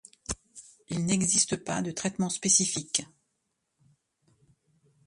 Il n'existe pas de traitement spécifique.